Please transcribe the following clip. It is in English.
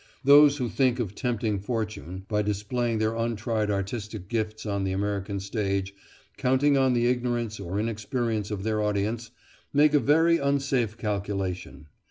Those who think of tempting fortune by displaying their untried artistic gifts on the American stage, counting on the ignorance or inexperience of their audience, make a very unsafe calculation.